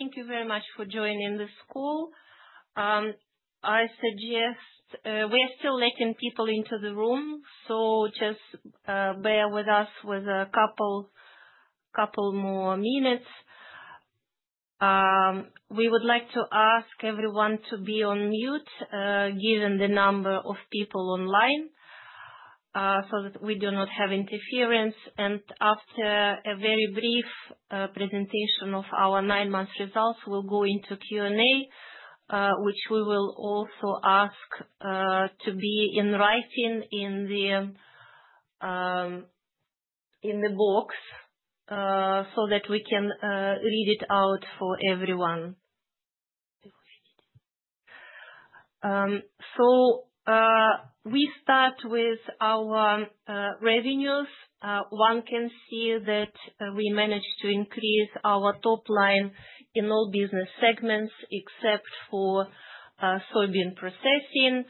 Thank you very much for joining the call. I suggest we are still letting people into the room, so just bear with us for a couple more minutes. We would like to ask everyone to be on mute, given the number of people online, so that we do not have interference. After a very brief presentation of our nine-month results, we'll go into Q&A, which we will also ask to be in writing in the box so that we can read it out for everyone. We start with our revenues. One can see that we managed to increase our top line in all business segments except for soybean processing.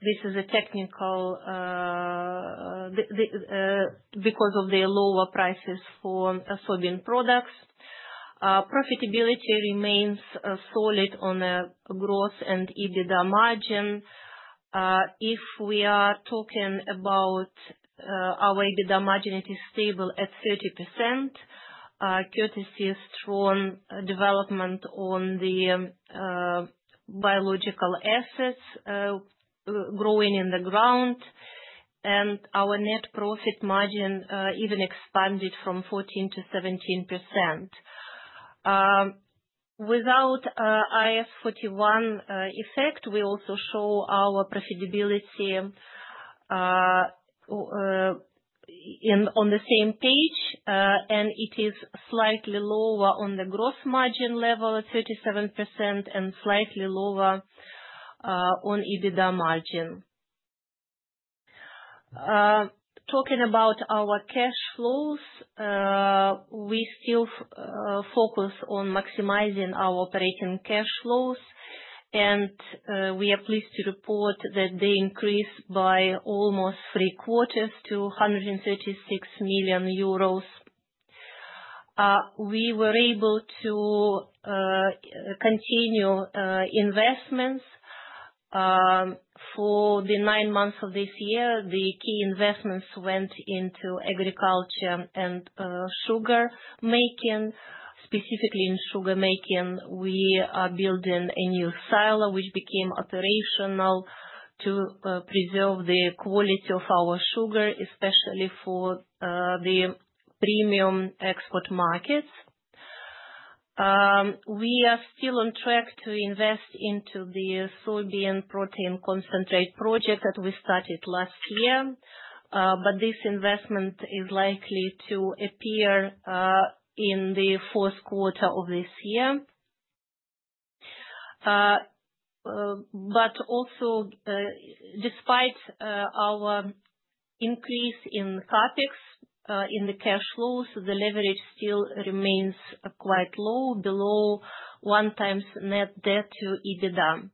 This is a technical because of the lower prices for soybean products. Profitability remains solid on a gross and EBITDA margin. If we are talking about our EBITDA margin, it is stable at 30%. There is strong development on the biological assets growing in the ground, and our net profit margin even expanded from 14%-17%. Without IAS 41 effect, we also show our profitability on the same page, and it is slightly lower on the gross margin level at 37% and slightly lower on EBITDA margin. Talking about our cash flows, we still focus on maximizing our operating cash flows, and we are pleased to report that they increased by almost three quarters to 136 million euros. We were able to continue investments. For the nine months of this year, the key investments went into agriculture and sugar making. Specifically, in sugar making, we are building a new silo, which became operational to preserve the quality of our sugar, especially for the premium export markets. We are still on track to invest into the soybean protein concentrate project that we started last year, but this investment is likely to appear in the fourth quarter of this year. But also, despite our increase in CAPEX in the cash flows, the leverage still remains quite low, below one times net debt to EBITDA.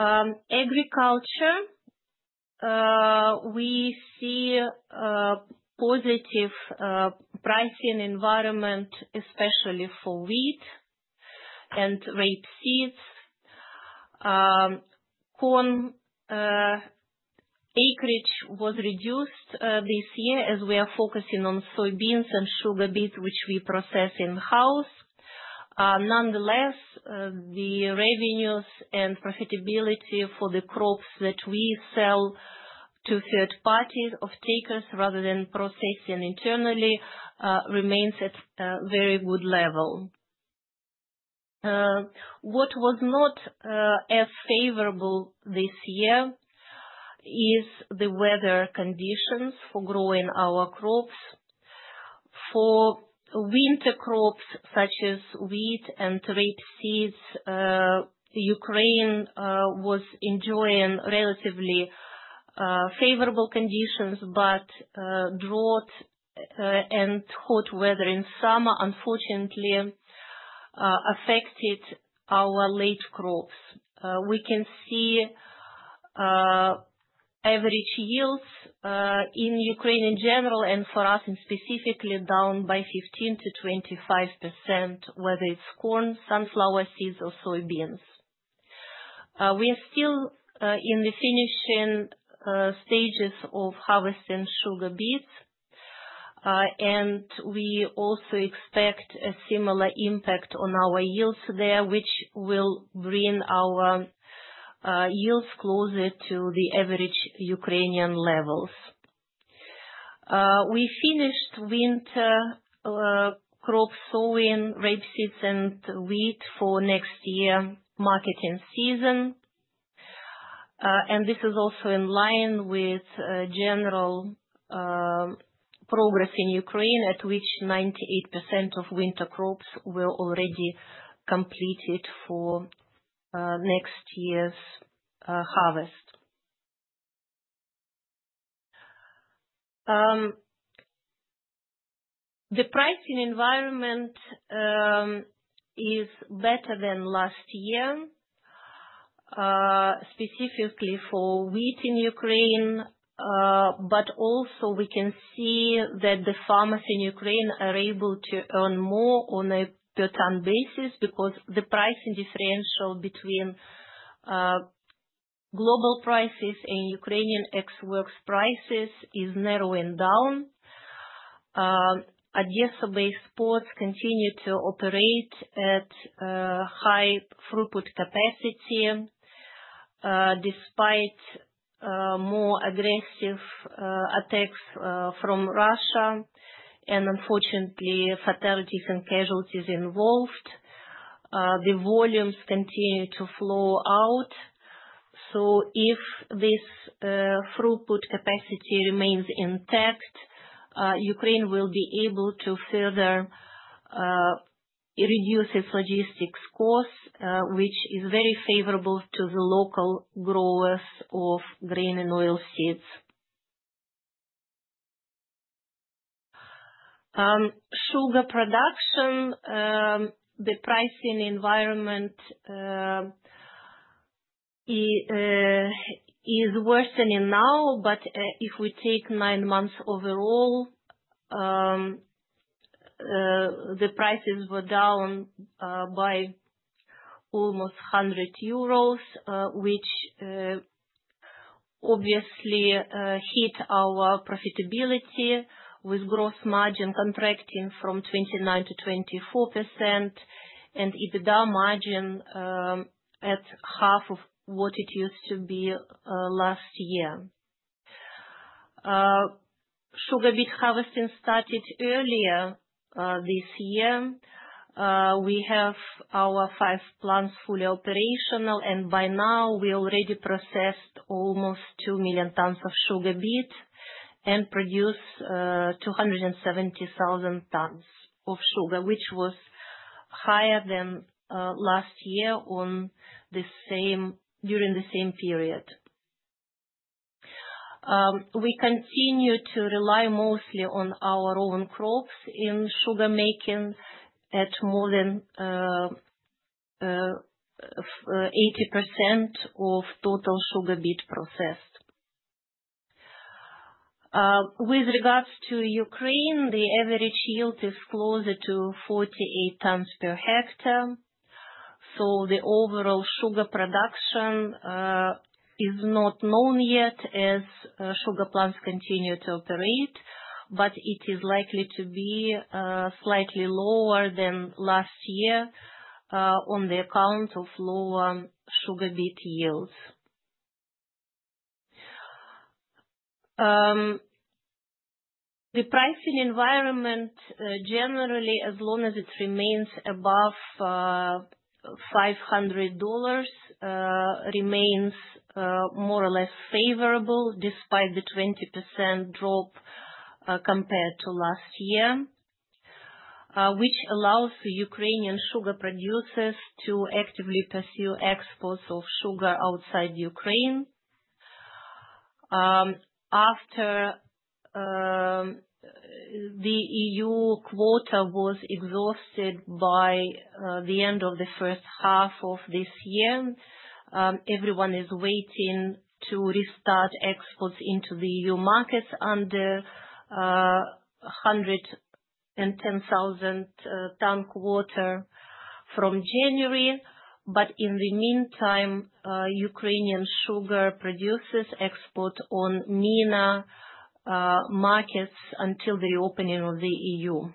Agriculture, we see positive pricing environment, especially for wheat and rapeseeds. Corn acreage was reduced this year as we are focusing on soybeans and sugar beets, which we process in-house. Nonetheless, the revenues and profitability for the crops that we sell to third-party off-takers rather than processing internally remains at a very good level. What was not as favorable this year is the weather conditions for growing our crops. For winter crops such as wheat and rapeseeds, Ukraine was enjoying relatively favorable conditions, but drought and hot weather in summer, unfortunately, affected our late crops. We can see average yields in Ukraine in general and for us specifically down by 15%-25%, whether it's corn, sunflower seeds, or soybeans. We are still in the finishing stages of harvesting sugar beets, and we also expect a similar impact on our yields there, which will bring our yields closer to the average Ukrainian levels. We finished winter crop sowing, rapeseeds, and wheat for next year's marketing season, and this is also in line with general progress in Ukraine, at which 98% of winter crops were already completed for next year's harvest. The pricing environment is better than last year, specifically for wheat in Ukraine. Also, we can see that the farmers in Ukraine are able to earn more on a per ton basis because the pricing differential between global prices and Ukrainian ex-works prices is narrowing down. Odessa-based ports continue to operate at high throughput capacity despite more aggressive attacks from Russia and, unfortunately, fatalities and casualties involved. The volumes continue to flow out, so if this throughput capacity remains intact, Ukraine will be able to further reduce its logistics costs, which is very favorable to the local growers of grain and oilseeds. Sugar production, the pricing environment is worsening now, but if we take nine months overall, the prices were down by almost 100 euros, which obviously hit our profitability with gross margin contracting from 29%-24% and EBITDA margin at half of what it used to be last year. Sugar beet harvesting started earlier this year. We have our five plants fully operational, and by now, we already processed almost 2 million tons of sugar beet and produced 270,000 tons of sugar, which was higher than last year during the same period. We continue to rely mostly on our own crops in sugar making at more than 80% of total sugar beet processed. With regards to Ukraine, the average yield is closer to 48 tons per hectare. So the overall sugar production is not known yet as sugar plants continue to operate, but it is likely to be slightly lower than last year on the account of lower sugar beet yields. The pricing environment, generally, as long as it remains above $500, remains more or less favorable despite the 20% drop compared to last year, which allows Ukrainian sugar producers to actively pursue exports of sugar outside Ukraine. After the EU quota was exhausted by the end of the first half of this year, everyone is waiting to restart exports into the EU markets under 110,000-ton quarter from January, but in the meantime, Ukrainian sugar producers export on MENA markets until the reopening of the EU.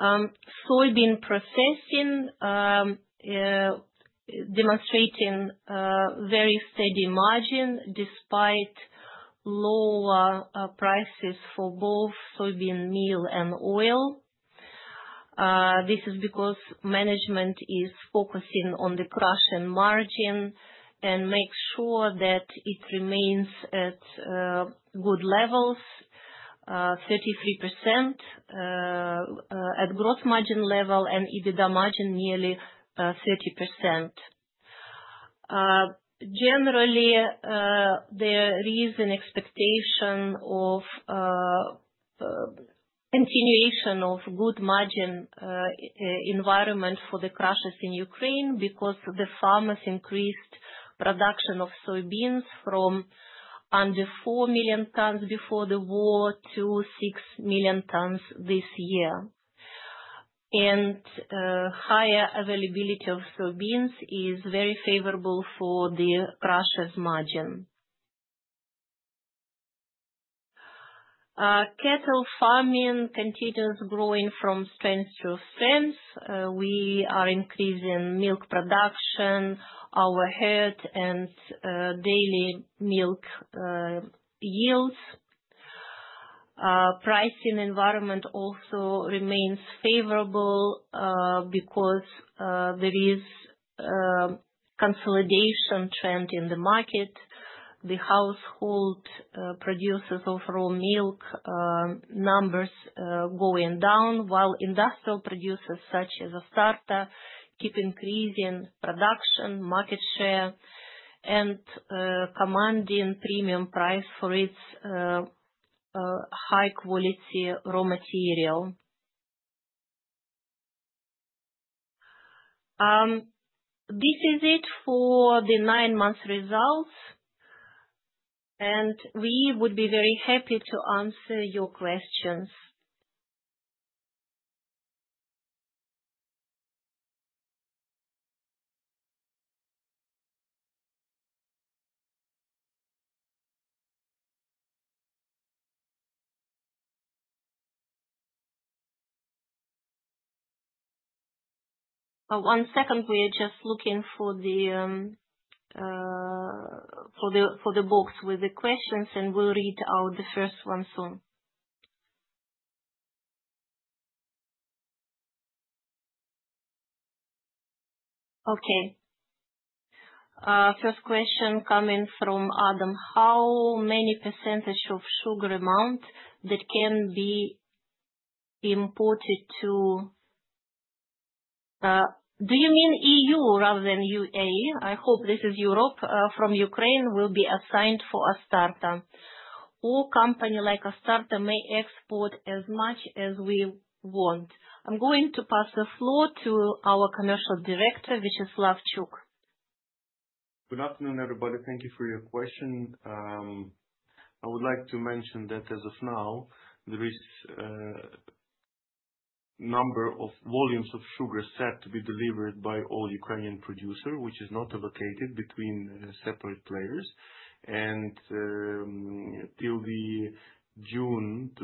Soybean processing demonstrating very steady margin despite lower prices for both soybean meal and oil. This is because management is focusing on the crush and margin and makes sure that it remains at good levels, 33% at gross margin level and EBITDA margin nearly 30%. Generally, there is an expectation of continuation of good margin environment for the crushers in Ukraine because the farmers increased production of soybeans from under 4 million tons before the war to 6 million tons this year, and higher availability of soybeans is very favorable for the crushers margin. Cattle farming continues growing from strength to strength. We are increasing milk production, our herd, and daily milk yields. Pricing environment also remains favorable because there is a consolidation trend in the market. The household producers of raw milk numbers going down, while industrial producers such as Astarta keep increasing production, market share, and commanding premium price for its high-quality raw material. This is it for the nine-month results, and we would be very happy to answer your questions. One second. We are just looking for the box with the questions, and we'll read out the first one soon. Okay. First question coming from Adam. How many percentage of sugar amount that can be imported to? Do you mean EU rather than UA? I hope this is Europe. From Ukraine, will be assigned for Astarta. All company like Astarta may export as much as we want. I'm going to pass the floor to our commercial director, Viacheslav Chuk. Good afternoon, everybody. Thank you for your question. I would like to mention that as of now, there is a number of volumes of sugar set to be delivered by all Ukrainian producers, which is not allocated between separate players, and till June 2025,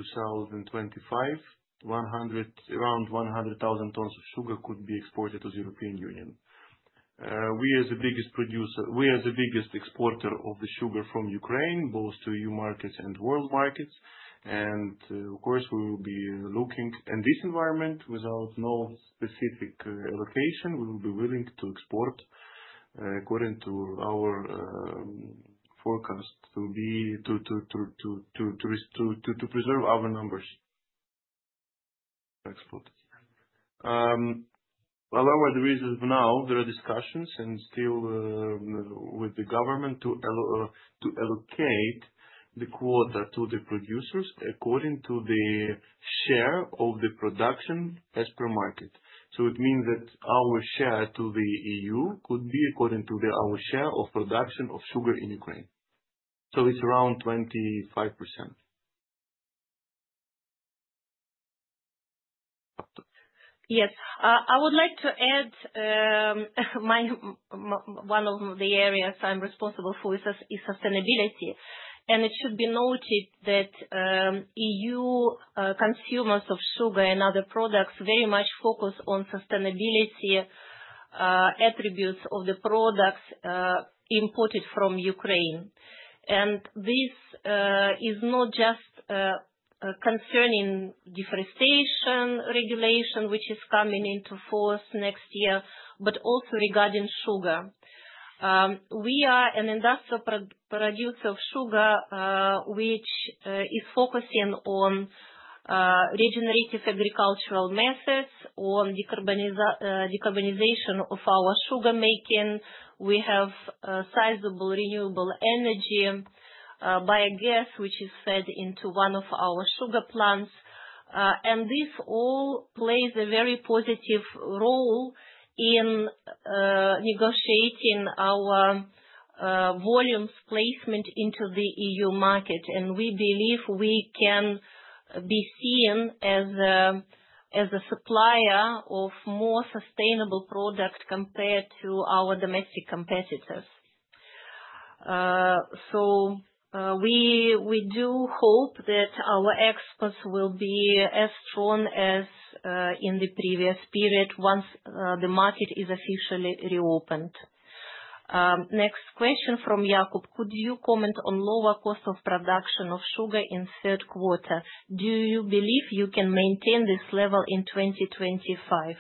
around 100,000 tons of sugar could be exported to the European Union. We, as the biggest exporter of the sugar from Ukraine, both to EU markets and world markets, and of course, we will be looking in this environment without no specific allocation, we will be willing to export according to our forecast to preserve our numbers. However, there is now, there are discussions and still with the government to allocate the quota to the producers according to the share of the production as per market. So it means that our share to the EU could be according to our share of production of sugar in Ukraine. So it's around 25%. Yes. I would like to add one of the areas I'm responsible for is sustainability. And it should be noted that EU consumers of sugar and other products very much focus on sustainability attributes of the products imported from Ukraine. And this is not just concerning deforestation regulation, which is coming into force next year, but also regarding sugar. We are an industrial producer of sugar, which is focusing on regenerative agricultural methods, on decarbonization of our sugar making. We have sizable renewable energy, biogas, which is fed into one of our sugar plants. And this all plays a very positive role in negotiating our volumes placement into the EU market. We believe we can be seen as a supplier of more sustainable product compared to our domestic competitors. So we do hope that our exports will be as strong as in the previous period once the market is officially reopened. Next question from Yakub. Could you comment on lower cost of production of sugar in third quarter? Do you believe you can maintain this level in 2025?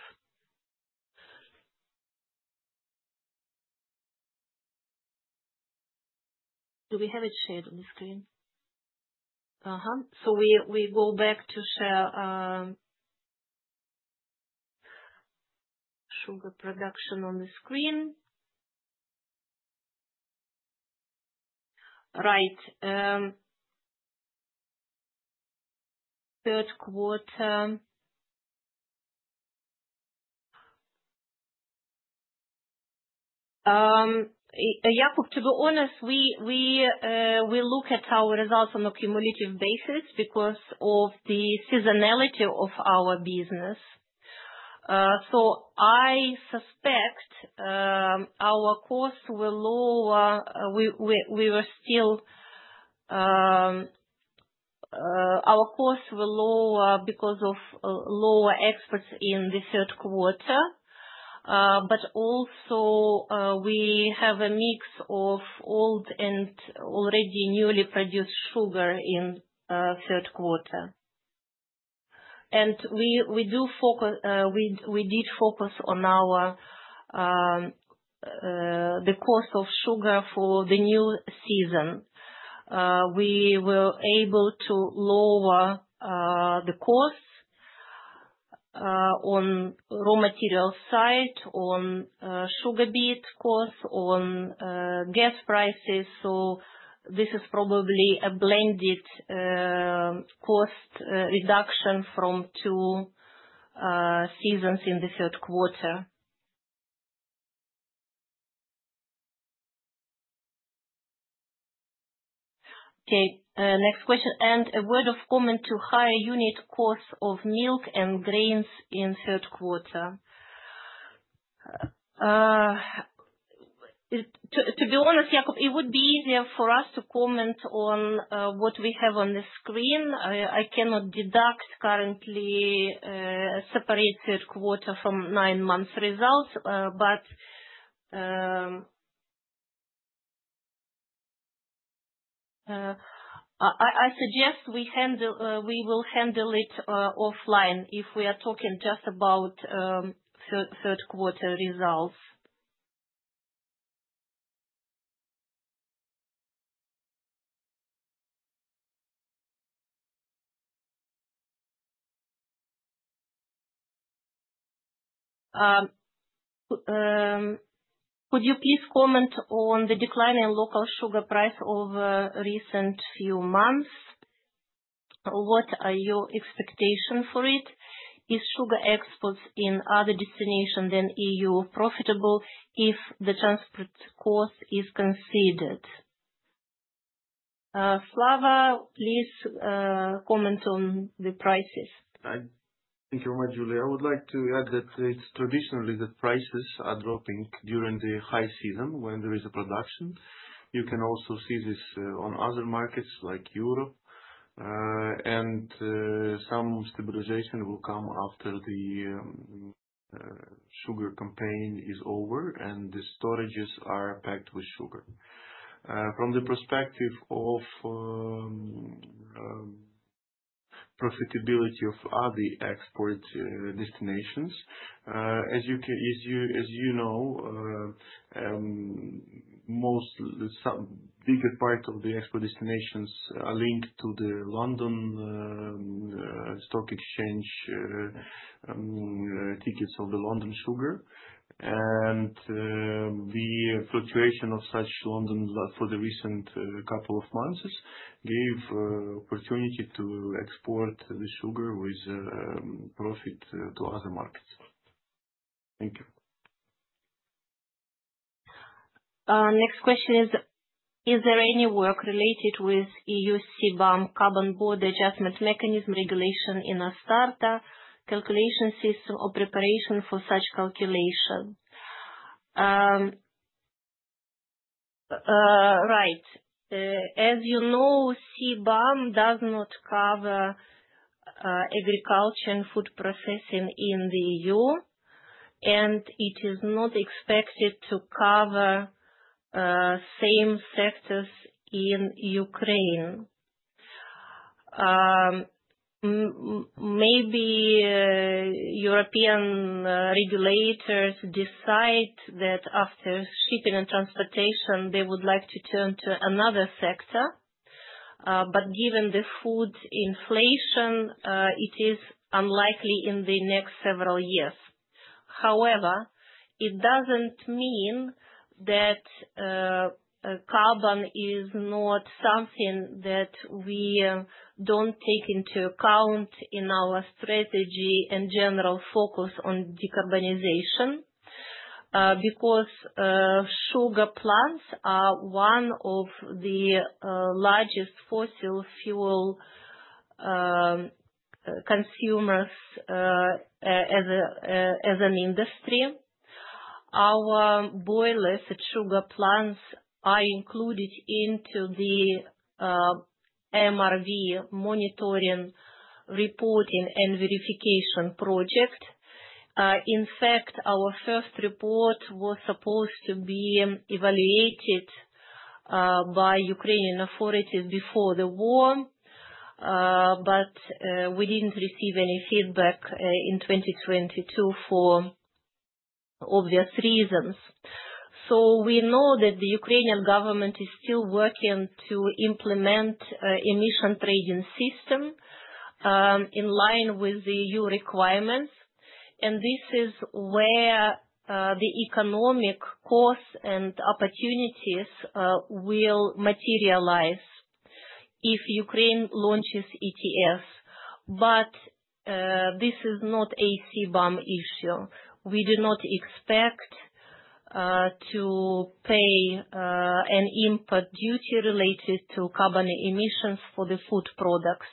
Do we have it shared on the screen? So we go back to share sugar production on the screen. Right. Third quarter. Yakub, to be honest, we look at our results on a cumulative basis because of the seasonality of our business. So I suspect our costs will lower because of lower exports in the third quarter. But also, we have a mix of old and already newly produced sugar in third quarter. We did focus on the cost of sugar for the new season. We were able to lower the costs on raw material side, on sugar beet costs, on gas prices. This is probably a blended cost reduction from two seasons in the third quarter. Okay. Next question. A word of comment to higher unit cost of milk and grains in third quarter. To be honest, Yakub, it would be easier for us to comment on what we have on the screen. I cannot deduce currently a separate third quarter from nine-month results, but I suggest we will handle it offline if we are talking just about third quarter results. Could you please comment on the declining local sugar price over recent few months? What are your expectations for it? Is sugar exports in other destinations than EU profitable if the transport cost is considered? Savvas, please comment on the prices. Thank you very much, Yulia. I would like to add that it's traditionally that prices are dropping during the high season when there is a production. You can also see this on other markets like Europe. And some stabilization will come after the sugar campaign is over and the storages are packed with sugar. From the perspective of profitability of other export destinations, as you know, most bigger part of the export destinations are linked to the London Stock Exchange tickers of the London sugar. And the fluctuation of such London for the recent couple of months gave opportunity to export the sugar with profit to other markets. Thank you. Next question is, is there any work related with EU CBAM, Carbon Border Adjustment Mechanism regulation in Astarta, calculation system or preparation for such calculation? Right. As you know, CBAM does not cover agriculture and food processing in the EU, and it is not expected to cover same sectors in Ukraine. Maybe European regulators decide that after shipping and transportation, they would like to turn to another sector. But given the food inflation, it is unlikely in the next several years. However, it doesn't mean that carbon is not something that we don't take into account in our strategy and general focus on decarbonization because sugar plants are one of the largest fossil fuel consumers as an industry. Our boilers at sugar plants are included into the MRV monitoring, reporting, and verification project. In fact, our first report was supposed to be evaluated by Ukrainian authorities before the war, but we didn't receive any feedback in 2022 for obvious reasons. So we know that the Ukrainian government is still working to implement an emission trading system in line with the EU requirements. And this is where the economic costs and opportunities will materialize if Ukraine launches ETS. But this is not a CBAM issue. We do not expect to pay an import duty related to carbon emissions for the food products.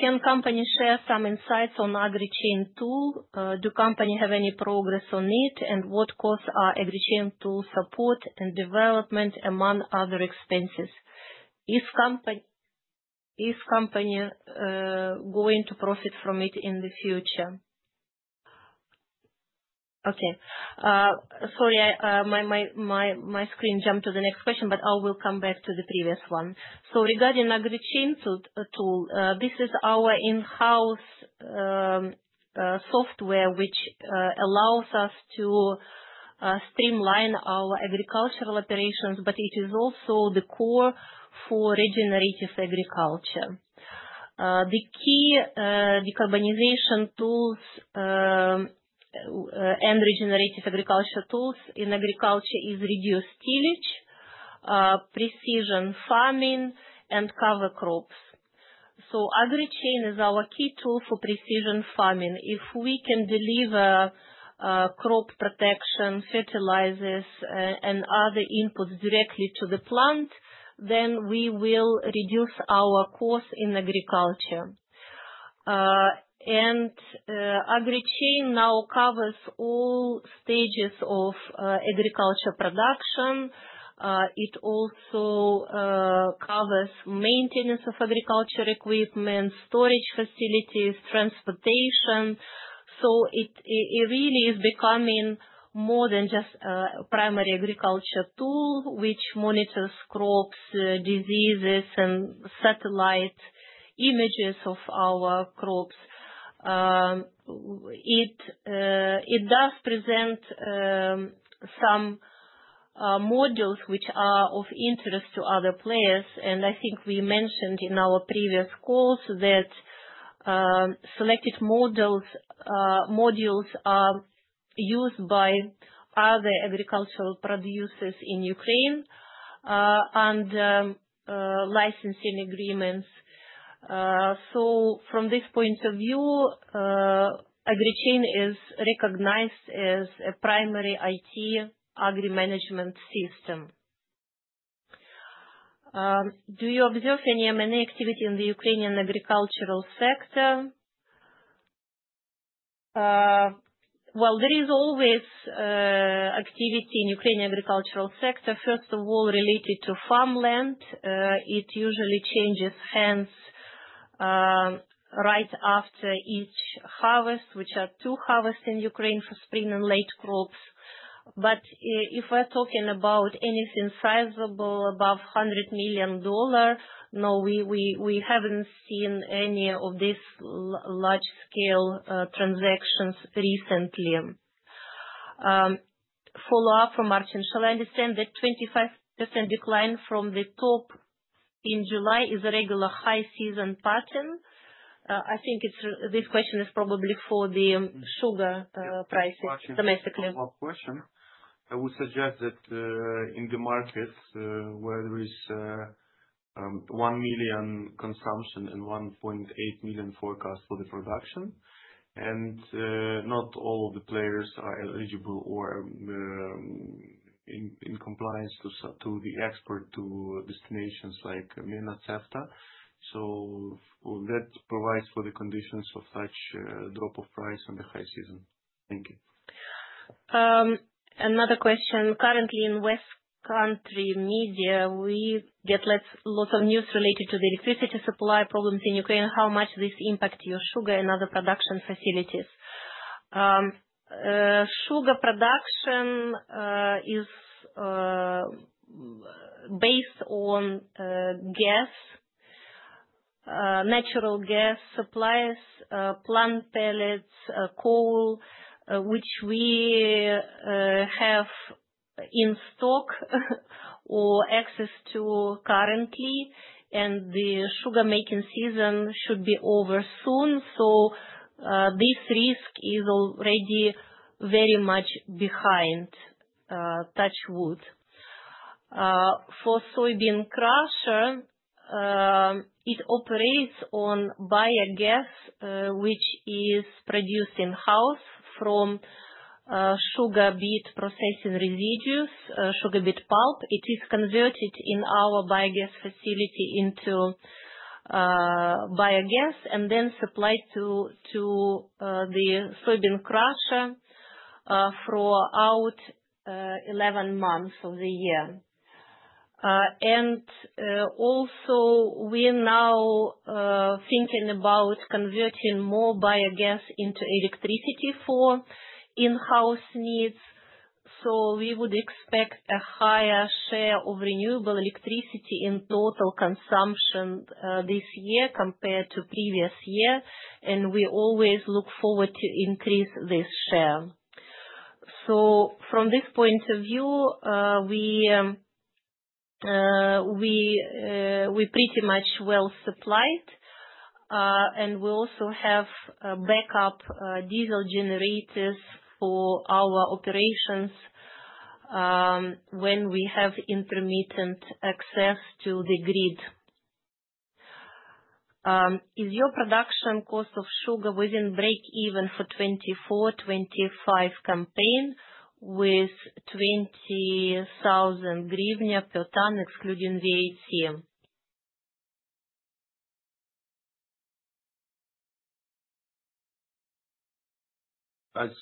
Can companies share some insights on AgriChain tool? Do companies have any progress on it? And what costs are AgriChain tool support and development among other expenses? Is company going to profit from it in the future? Okay. Sorry, my screen jumped to the next question, but I will come back to the previous one. So regarding AgriChain tool, this is our in-house software, which allows us to streamline our agricultural operations, but it is also the core for regenerative agriculture. The key decarbonization tools and regenerative agriculture tools in agriculture are reduced tillage, precision farming, and cover crops. So AgriChain is our key tool for precision farming. If we can deliver crop protection, fertilizers, and other inputs directly to the plant, then we will reduce our costs in agriculture. And AgriChain now covers all stages of agriculture production. It also covers maintenance of agriculture equipment, storage facilities, transportation. So it really is becoming more than just a primary agriculture tool, which monitors crops, diseases, and satellite images of our crops. It does present some modules which are of interest to other players. And I think we mentioned in our previous calls that selected modules are used by other agricultural producers in Ukraine and licensing agreements. So from this point of view, AgriChain is recognized as a primary IT agri-management system. Do you observe any M&A activity in the Ukrainian agricultural sector? Well, there is always activity in the Ukrainian agricultural sector, first of all, related to farmland. It usually changes hands right after each harvest, which are two harvests in Ukraine for spring and late crops. But if we're talking about anything sizable above $100 million, no, we haven't seen any of these large-scale transactions recently. Follow-up from Martin. Shall I understand that 25% decline from the top in July is a regular high-season pattern? I think this question is probably for the sugar prices domestically. That's a follow-up question. I would suggest that in the markets where there is 1,000,000 consumption and 1,800,000 forecast for the production, and not all of the players are eligible or in compliance to the export to destinations like MENA CEFTA. So that provides for the conditions of such drop of price on the high season. Thank you. Another question. Currently, in Western media, we get lots of news related to the electricity supply problems in Ukraine. How much does this impact your sugar and other production facilities? Sugar production is based on gas, natural gas supplies, plant pellets, coal, which we have in stock or access to currently, and the sugar-making season should be over soon, so this risk is already very much behind, touch wood. For soybean crusher, it operates on biogas, which is produced in-house from sugar beet processing residues, sugar beet pulp. It is converted in our biogas facility into biogas and then supplied to the soybean crusher throughout 11 months of the year, and also, we're now thinking about converting more biogas into electricity for in-house needs. We would expect a higher share of renewable electricity in total consumption this year compared to the previous year. And we always look forward to increasing this share. So from this point of view, we're pretty much well supplied. And we also have backup diesel generators for our operations when we have intermittent access to the grid. Is your production cost of sugar within break-even for 2024-2025 campaign with UAH 20,000 per ton, excluding?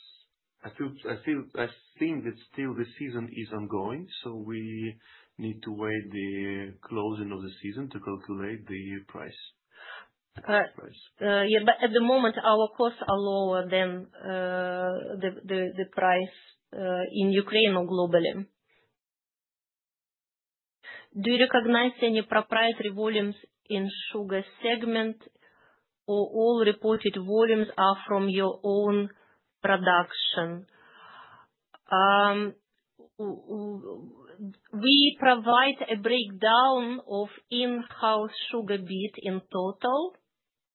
[inaudible] I think that still the season is ongoing. So we need to wait the closing of the season to calculate the price. Yeah, but at the moment, our costs are lower than the price in Ukraine or globally. Do you recognize any proprietary volumes in the sugar segment, or all reported volumes are from your own production? We provide a breakdown of in-house sugar beet in total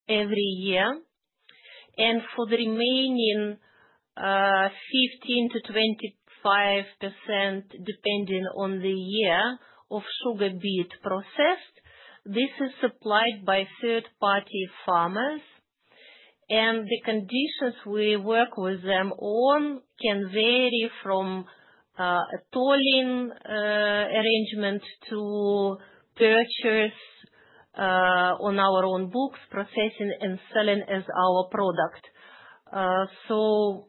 every year. And for the remaining 15%-25%, depending on the year of sugar beet processed, this is supplied by third-party farmers. And the conditions we work with them on can vary from a tolling arrangement to purchase on our own books, processing, and selling as our product. So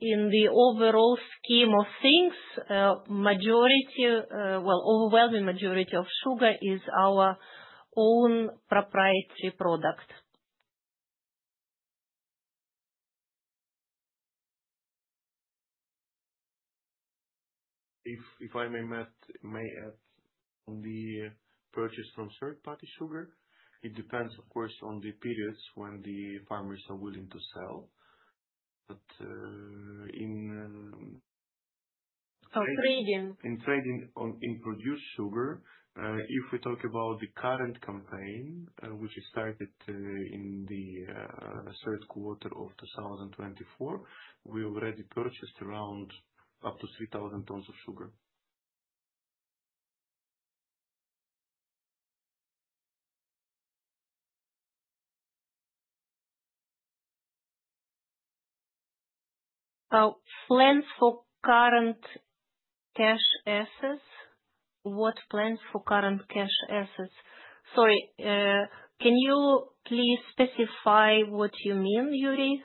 in the overall scheme of things, the majority, well, overwhelming majority of sugar is our own proprietary product. If I may add on the purchase from third-party sugar, it depends, of course, on the periods when the farmers are willing to sell. But in trading in produced sugar, if we talk about the current campaign, which is started in the third quarter of 2024, we already purchased around up to 3,000 tons of sugar. Plans for current cash assets? What plans for current cash assets? Sorry, can you please specify what you mean, Yuri?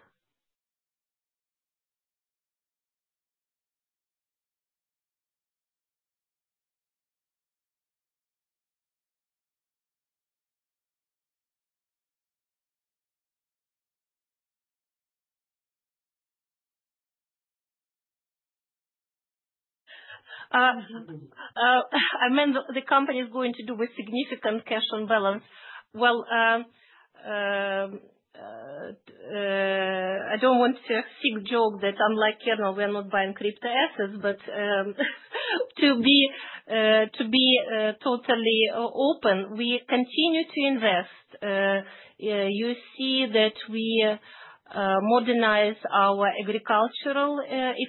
I mean, the company is going to do with significant cash on balance. Well, I don't want to make a joke that unlike Kernel, we are not buying crypto assets, but to be totally open, we continue to invest. You see that we modernize our agricultural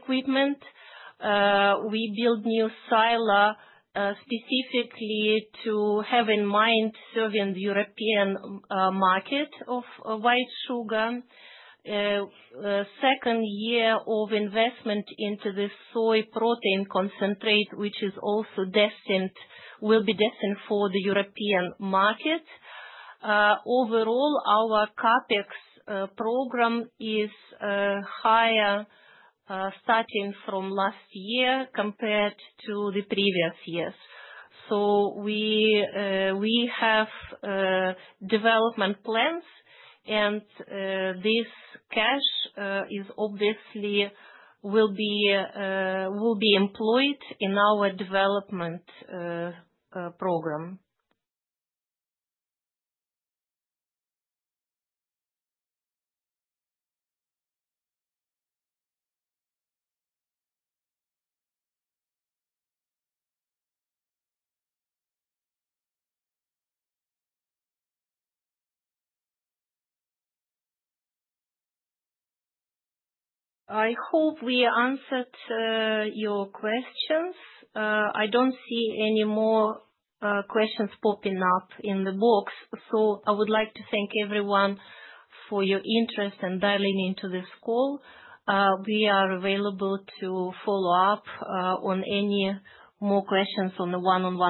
equipment. We build new silos specifically to have in mind serving the European market of white sugar. Second year of investment into the soy protein concentrate, which will be destined for the European market. Overall, our CAPEX program is higher starting from last year compared to the previous years. So we have development plans, and this cash will be employed in our development program. I hope we answered your questions. I don't see any more questions popping up in the box. So I would like to thank everyone for your interest and dialing into this call. We are available to follow up on any more questions on the one-on-one.